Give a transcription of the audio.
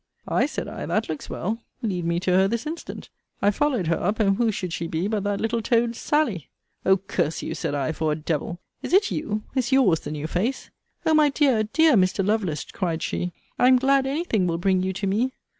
Ay! said I, that looks well. Lead me to her this instant. I followed her up: and who should she be, but that little toad Sally! O curse you, said I, for a devil! Is it you? is your's the new face? O my dear, dear Mr. Lovelace! cried she, I am glad any thing will bring you to me!